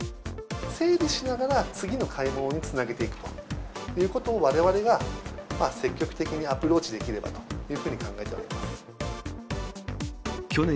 整理しながら、次の買い物につなげていくということを、われわれが積極的にアプローチできればというふうに考えておりま